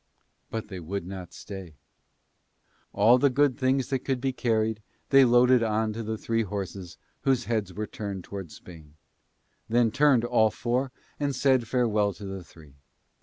But they would not stay. All the good things that could be carried they loaded on to the three horses whose heads were turned towards Spain; then turned, all four, and said farewell to the three.